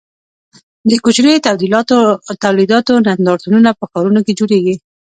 د کوچنیو تولیداتو نندارتونونه په ښارونو کې جوړیږي.